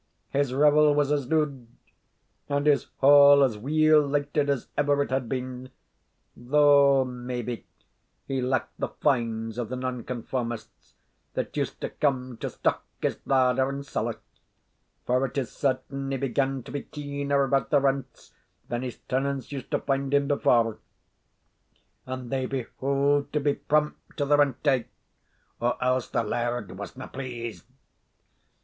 His revel was as loud, and his hall as weel lighted, as ever it had been, though maybe he lacked the fines of the nonconformists, that used to come to stock his larder and cellar; for it is certain he began to be keener about the rents than his tenants used to find him before, and they behooved to be prompt to the rent day, or else the laird wasna pleased.